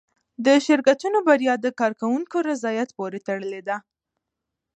د شرکتونو بریا د کارکوونکو رضایت پورې تړلې ده.